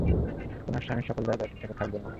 উনার স্বামী সকল দায়-দায়িত্ব থেকে থাকবেন মুক্ত।